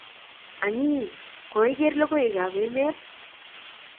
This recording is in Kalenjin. Angi? Koikeer lokoiywek ab emeet?